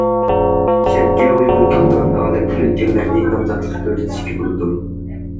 شەرتكە ئۇيغۇن كېلىدىغان ئالەمدىن ئۆتكەنلەرنى نامزاتلىققا كۆرسىتىشكە بولىدۇ.